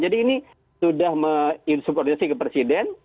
jadi ini sudah insubordinasi ke presiden